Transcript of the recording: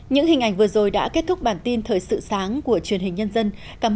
những hình ảnh vừa rồi đã kết thúc bản tin thời sự sáng của truyền hình nhân dân cảm